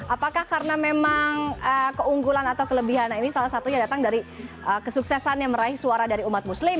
apakah karena memang keunggulan atau kelebihan ini salah satunya datang dari kesuksesan yang meraih suara dari umat muslim